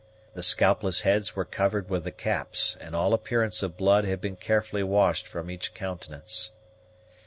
The scalpless heads were covered with the caps, and all appearance of blood had been carefully washed from each countenance.